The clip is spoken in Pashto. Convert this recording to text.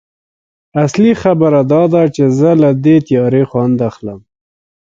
اصلي خبره دا ده چې زه له دې تیارې خوند اخلم